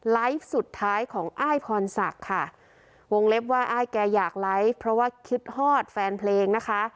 ไลฟ์สุดท้ายของอ้ายพรศักดิ์ค่ะวงเล็บว่าอ้ายแกอยากไลฟ์เพราะว่าคิดฮอดแฟนเพลงนะคะ